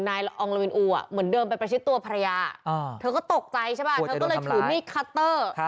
ละอองละวินอูอ่ะเหมือนเดิมไปประชิดตัวภรรยาเธอก็ตกใจใช่ป่ะเธอก็เลยถือมีดคัตเตอร์